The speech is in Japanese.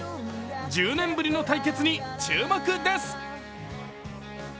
１０年ぶりの対決に注目です。